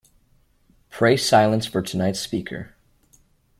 Pray silence for tonight’s speaker.